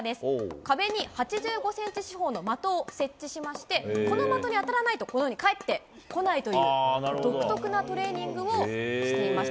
壁に８５センチ四方の的を設置しまして、この的に当たらないと、このように返ってこないという独特なトレーニングをしていました。